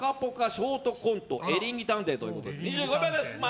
ショートコントえりんぎ探偵ということで２５秒です。